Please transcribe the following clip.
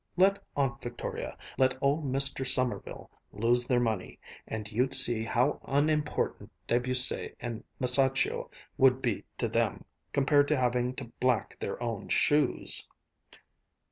Let Aunt Victoria, let old Mr. Sommerville, lose their money, and you'd see how unimportant Debussy and Masaccio would be to them, compared to having to black their own shoes!"